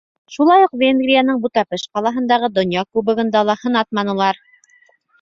Шулай уҡ Венгрияның Будапешт ҡалаһындағы Донъя кубогында ла һынатманылар.